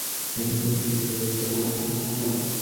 এক সপ্তাহে কেবল, বিল্ডিংগুলোর চেহারা পরিবর্তন করতে পারব।